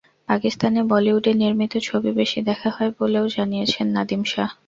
পাকিস্তানে বলিউডে নির্মিত ছবি বেশি দেখা হয় বলেও জানিয়েছেন নাদিম শাহ।